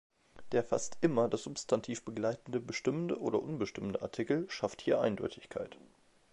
Der fast immer das Substantiv begleitende bestimmte oder unbestimmte Artikel schafft hier Eindeutigkeit.